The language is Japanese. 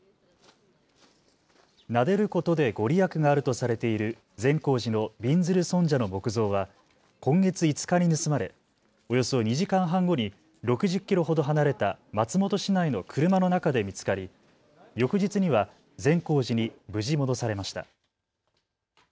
なでることで御利益があるとされている善光寺のびんずる尊者の木像は今月５日に盗まれおよそ２時間半後に６０キロほど離れた松本市内の車の中で見つかり、翌日には善光寺に無事戻されました。